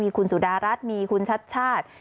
คุณสุดารัฐมีคุณชัดชาติ